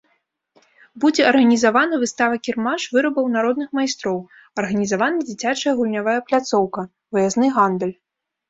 Будзе арганізавана выстава-кірмаш вырабаў народных майстроў, арганізавана дзіцячая гульнявая пляцоўка, выязны гандаль.